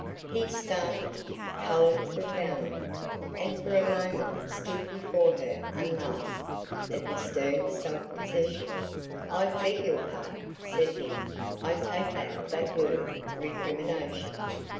He started, colored profoundly, and for a moment stood before her unmasked of his stern self possession. "I beg your pardon," said he, "I take back that word, recrimination."